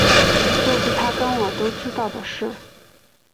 这是他跟我都知道的事